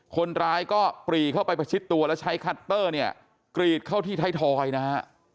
คนร้ายก็ปรีเข้าไปประชิดตัวแล้วใช้คัตเตอร์เนี่ยกรีดเข้าที่ไทยทอยนะฮะ